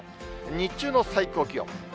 日中の最高気温。